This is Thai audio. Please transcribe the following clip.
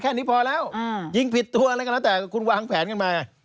แค่นี้พอแล้วยิงผิดตัวอะไรก็แล้วแต่คุณวางแผนกันมา